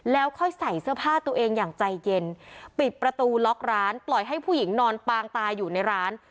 แล้วค่อยใส่เสื้อผ้าตัวเองอย่างใจเย็นปิดประตูล็อกร้านปล่อยให้ผู้หญิงนอนปางตายอยู่ในร้าน